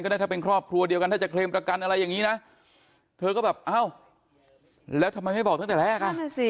ได้ถ้าเป็นครอบครัวเดียวกันถ้าจะเคลมประกันอะไรอย่างนี้นะเธอก็แบบอ้าวแล้วทำไมไม่บอกตั้งแต่แรกอ่ะสิ